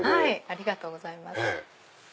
ありがとうございます。